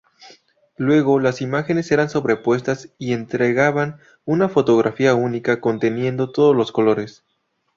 Luego las imágenes eran sobrepuestas y entregaban una fotografía única conteniendo todos los colores.